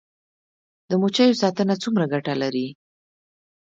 د مچیو ساتنه څومره ګټه لري؟